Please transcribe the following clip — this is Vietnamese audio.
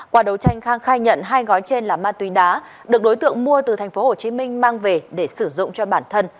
qua đấu tranh khang khai nhận hai gói trên là ma túy đá được đối tượng mua từ tp hcm mang về để sử dụng cho bản thân